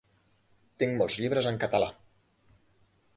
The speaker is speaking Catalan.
Tinc molts llibres en català.